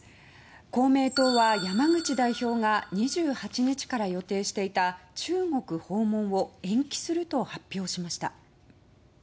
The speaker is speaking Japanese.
公明党は、山口代表が２８日から予定していた中国訪問を延期すると発表しました。